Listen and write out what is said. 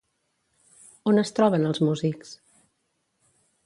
On es troben els músics?